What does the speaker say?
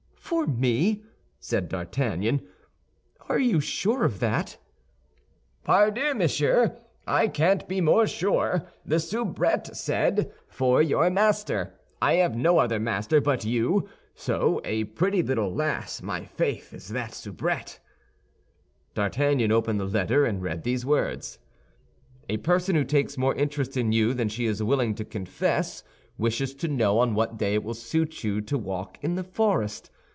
"For me?" said D'Artagnan; "are you sure of that?" "Pardieu, monsieur, I can't be more sure. The soubrette said, 'For your master.' I have no other master but you; so—a pretty little lass, my faith, is that soubrette!" D'Artagnan opened the letter, and read these words: "A person who takes more interest in you than she is willing to confess wishes to know on what day it will suit you to walk in the forest?